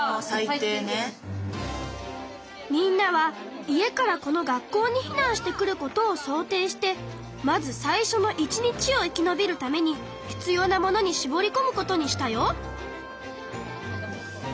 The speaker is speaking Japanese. みんなは家からこの学校に避難してくることを想定してまず最初の１日を生きのびるために必要なものにしぼりこむことにしたよ。